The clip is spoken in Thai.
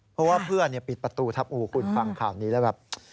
เพราะว่าเพื่อนปิดประตูครับคุณฟังข่าวนี้แล้วแบบ